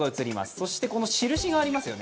そしてこの印がありますよね